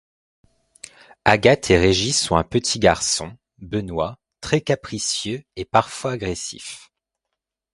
Agathe et Régis ont un petit garçon, Benoît, très capricieux et parfois agressif.